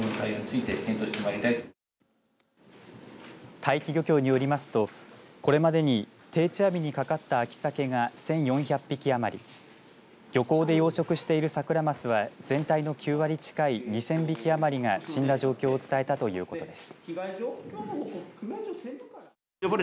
大樹漁協によりますとこれまでに定置網にかかった秋サケが１４００匹余り漁港で養殖しているサクラマスは全体の９割近い２０００匹余りが死んだ状況を伝えたということです。